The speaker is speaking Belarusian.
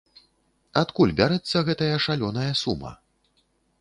Адкуль бярэцца гэтая шалёная сума?